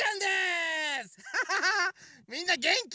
みんなげんき？